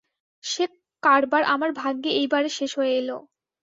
সে কারবার আমার ভাগ্যে এইবারে শেষ হয়ে এল।